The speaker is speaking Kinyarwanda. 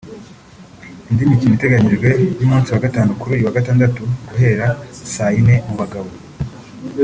Indi mikino iteganyijwe y’umunsi wa gatatu kuri uyu wa Gatandatu guhera saa yine mu bagabo